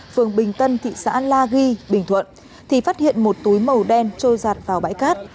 phường bình tân thị xã la ghi bình thuận thì phát hiện một túi màu đen trôi giặt vào bãi cát